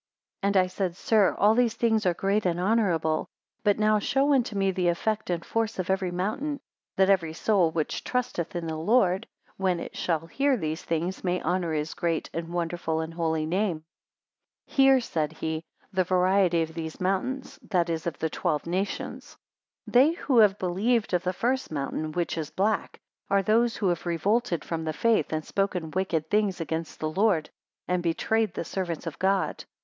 177 And I said; Sir, all these things are great and honourable; but now show unto me the effect and force of every mountain: that every soul which trusteth in the Lord, when it shall hear these things may honour his great, and wonderful, and holy name. 178 Hear, said he, the variety of these mountains, that is, of the twelve nations. 179 They who have believed of the first mountain, which is black, are those who have revolted from the faith, and spoken wicked things against the Lord; and betrayed the servants of God.